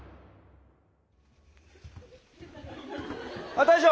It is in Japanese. あ大将！